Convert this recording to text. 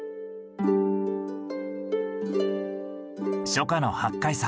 初夏の八海山